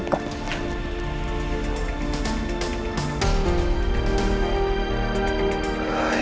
mencuci sambil diep kok